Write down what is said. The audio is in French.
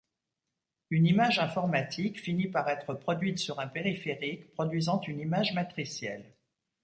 Une image informatique finit par être produite sur un périphérique produisant une image matricielle.